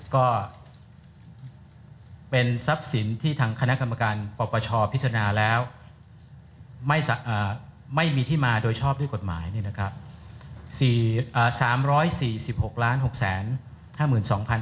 ก็เป็นทรัพย์สินที่ทางคณะกรรมการปปชพิจารณาแล้วไม่มีที่มาโดยชอบด้วยกฎหมายเนี่ยนะครับ